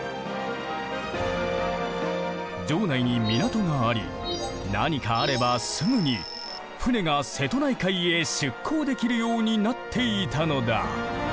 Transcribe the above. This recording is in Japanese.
城内に港があり何かあればすぐに船が瀬戸内海へ出港できるようになっていたのだ。